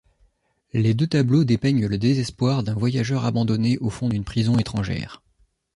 Les deux tableaux dépeignent le désespoir d'un voyageur abandonné au fond d'une prison étrangère.